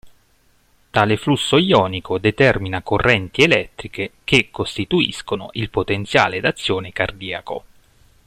Tale flusso ionico determina correnti elettriche che costituiscono il potenziale d'azione cardiaco.